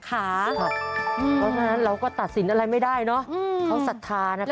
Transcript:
เพราะฉะนั้นเราก็ตัดสินอะไรไม่ได้เนอะเขาศรัทธานะคะ